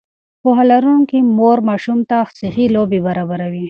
پوهه لرونکې مور ماشوم ته صحي لوبې برابروي.